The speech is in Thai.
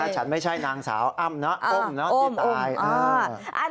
ฉันไม่ใช่นางสาวอ้ำนะอุ้มเนอะที่ตาย